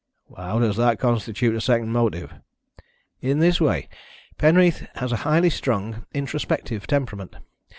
"How does that constitute a second motive?" "In this way. Penreath has a highly strung, introspective temperament.